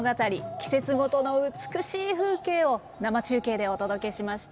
季節ごとの美しい風景を生中継でお届けしました。